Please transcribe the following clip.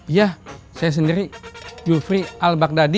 ya saya sendiri jufri al baghdadi